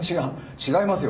違いますよ。